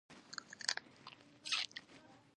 د کونړ په وټه پور کې د قیمتي ډبرو نښې دي.